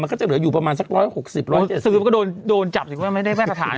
มันก็จะเหลืออยู่ประมาณสักร้อยหกสิบร้อยเจ็ดสิบก็โดนโดนจับสิกว่าไม่ได้แพทย์สถาน